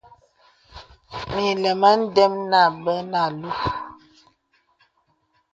Mə ilɛmaŋ ndə̀m àbə̀ nə alúú.